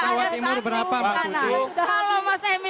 kalau mas emil mengetahui